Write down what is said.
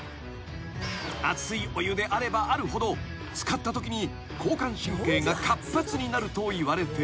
［熱いお湯であればあるほど漬かったときに交感神経が活発になるといわれている］